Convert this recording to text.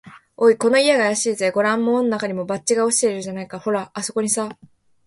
「おい、この家があやしいぜ。ごらん、門のなかにも、バッジが落ちているじゃないか。ほら、あすこにさ」